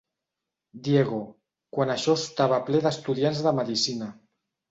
Diego—, quan això estava ple d'estudiants de medicina.